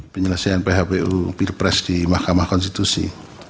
penyelesaian phpu pilpres di mahkamah konstitusi